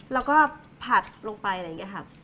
แล้วก็ผัดลงไปอะไรอย่างนี้ค่ะ